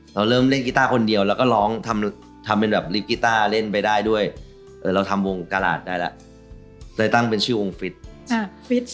เราเริ่มเล่นกีต้าคนเดียวแล้วก็ร้องทำเป็นแบบลิกกีต้าเล่นไปได้ด้วยเราทำวงกราชได้แล้วเลยตั้งเป็นชื่อวงฟิตอ่าฟิต